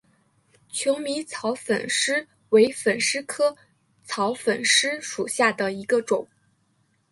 求米草粉虱为粉虱科草粉虱属下的一个种。